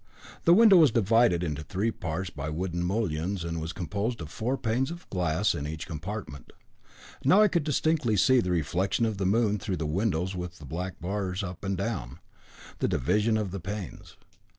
The window was divided into three parts by wooden mullions, and was composed of four panes of glass in each compartment. Now I could distinctly see the reflection of the moon through the window with the black bars up and down, and the division of the panes.